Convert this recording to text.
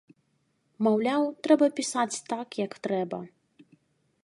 Маўляў, трэба пісаць так, як трэба.